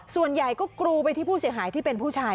ส่วนใหญ่ก็กรูไปที่ผู้เสียหายที่เป็นผู้ชาย